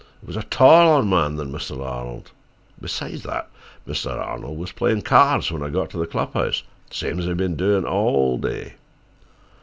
It was a taller man than Mr. Arnold. Beside that, Mr. Arnold was playin' cards when I got to the club house, same's he'd been doin' all day."